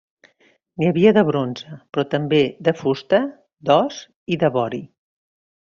N'hi havia de bronze, però també de fusta, d'os i de vori.